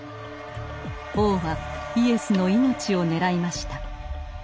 王はイエスの命を狙いました。